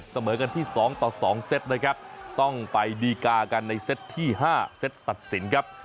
เสมอกันที่๒ต่อ๒เซตนะครับต้องไปดีกากันในเซตที่๕เซตตัดสินครับ